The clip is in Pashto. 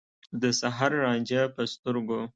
د سحر رانجه په سترګو